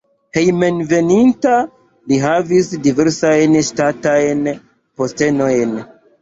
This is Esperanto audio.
Hejmenveninta li havis diversajn ŝtatajn postenojn.